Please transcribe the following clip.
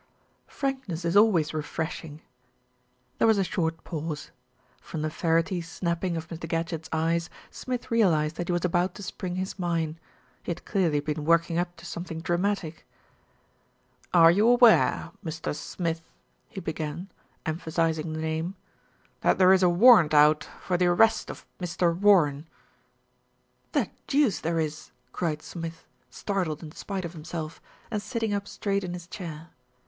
"Frankness is always refreshing." There was a short pause. From the ferrety snap ping of Mr. Gadgett's eyes, Smith realised that he was about to spring his mine. He had clearly been working up to something dramatic. "Are you aware, Mr. Smith," he began, emphasising the name, "that there is a warrant out for the arrest of Mr. Warren?" MR. GADGETT PAYS A CALL 251 "The deuce there is!" cried Smith, startled in spite of himself, and sitting up straight in his chair.